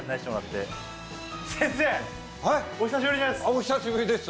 お久しぶりです。